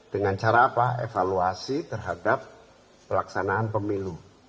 dengan cara apa evaluasi terhadap pelaksanaan pemilu